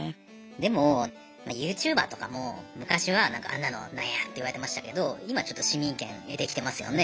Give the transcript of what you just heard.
でもユーチューバーとかも昔はあんなのなんやって言われてましたけど今ちょっと市民権得てきてますよね。